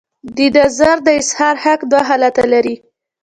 د نظر د اظهار حق دوه حالته لري.